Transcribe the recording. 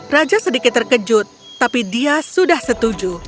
raja sedikit terkejut tapi dia sudah setuju